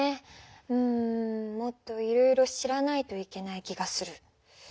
うんもっといろいろ知らないといけない気がする。